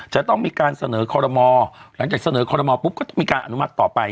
จะต้องมีการเสนอคอรมอหลังจากเสนอคอรมอลปุ๊บก็ต้องมีการอนุมัติต่อไป